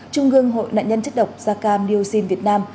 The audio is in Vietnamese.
trung gương hội nạn nhân chất độc da cam niocin việt nam